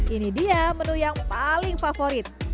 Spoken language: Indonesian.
ini dia menu yang paling favorit